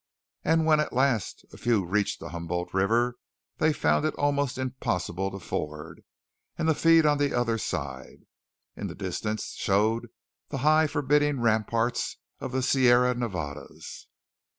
And when at last a few reached the Humboldt River, they found it almost impossible to ford and the feed on the other side. In the distance showed the high forbidding ramparts of the Sierra Nevadas.